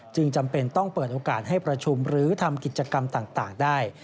จำเป็นต้องเปิดโอกาสให้ประชุมหรือทำกิจกรรมต่างได้